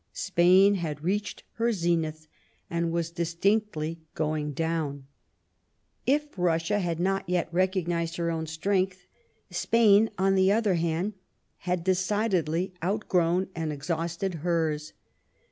Spain had reached her zenith, and was distinctly going down. If Bussia had not yet recognized her own strength, Spain, on the other hand, had decidedly outgrown and exhausted hers.